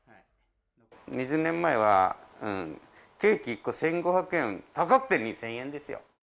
２０年前はケーキ１個１５００円高くて２０００円ですよ。